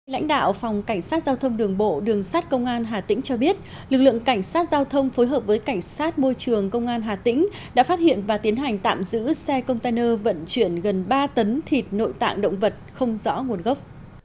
lãnh đạo phòng cảnh sát giao thông đường bộ đường sát công an hà tĩnh cho biết lực lượng cảnh sát giao thông phối hợp với cảnh sát môi trường công an hà tĩnh đã phát hiện và tiến hành tạm giữ xe container vận chuyển gần ba tấn thịt nội tạng động vật không rõ nguồn gốc